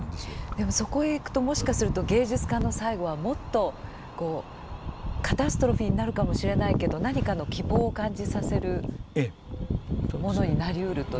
でもそこへいくともしかすると芸術家の最後はもっとこうカタストロフィーになるかもしれないけど何かの希望を感じさせるものになりうるという。